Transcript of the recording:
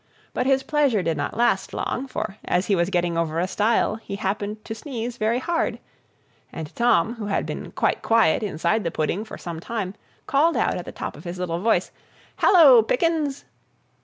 But his pleasure did not last long, for, as he was getting over a stile, he happened to sneeze very hard, and Tom, who had been quite quiet inside the pudding for some time, called out at the top of his little voice, "Hallo, Pickens!"